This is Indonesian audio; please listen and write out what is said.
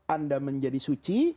anda menjadi suci